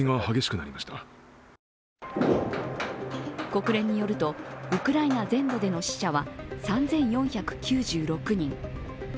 国連によると、ウクライナ全土での死者は３４９６人。